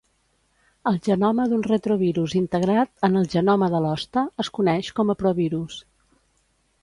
El genoma d'un retrovirus integrat en el genoma de l'hoste es coneix com a provirus.